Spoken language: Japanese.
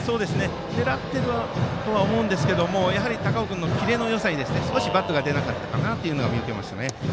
狙っているとは思うんですがやはり高尾君のキレのよさに少しバットが出なかったかなというのが見受けられました。